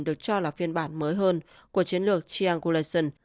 được cho là phiên bản mới hơn của chiến lược triangulation